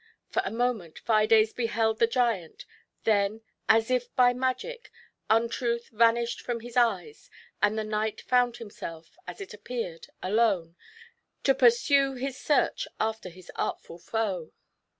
For a moment Fides beheld the giant, then, as if by magic, Untruth vanished from his eyes, and the knight found himself, as it appeared, alone, to pursue his search after his artful foe.